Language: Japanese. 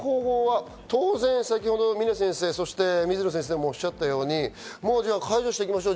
当然、先ほど峰先生、水野先生もおっしゃったように解除していきましょう。